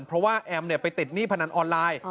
เพราะว่าแอมไปติดหนี้พนันออนไลน์